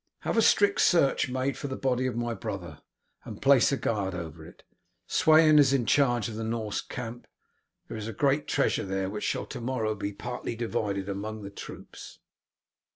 Have a strict search made for the body of my brother, and place a guard over it. Sweyn is in charge of the Norse camp. There is great treasure there, which shall to morrow be partly divided among the troops."